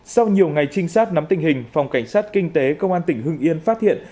sau nhiều ngày trinh sát nắm tình hình phòng cảnh sát kinh tế công an tỉnh hưng yên phát hiện